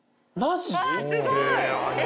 すごい。